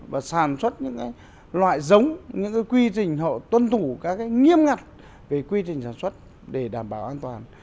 và sản xuất những cái loại giống những cái quy trình họ tuân thủ các cái nghiêm ngặt về quy trình sản xuất để đảm bảo an toàn